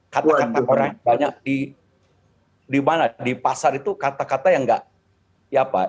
kata kata orang banyak di pasar itu kata kata yang tidak ada hiburan